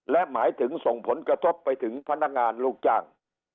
และหมายถึงส่งผลกระทบไปถึงพนักงานลูกจ้าง